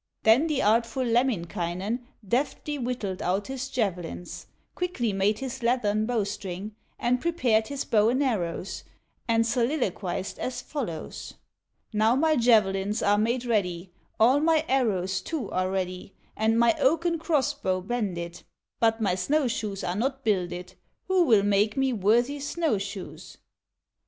Then the artful Lemminkainen Deftly whittled out his javelins, Quickly made his leathern bow string, And prepared his bow and arrows, And soliloquized as follows: "Now my javelins are made ready, All my arrows too are ready, And my oaken cross bow bended, But my snow shoes are not builded, Who will make me worthy snow shoes?"